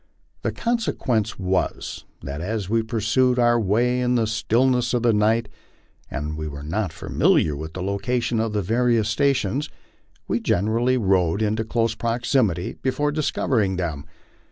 The consequence was, that as we pursued our way in the stillness of the night, and were not familiar with the location of the various stations, we generally rode into close proximity before discovering them.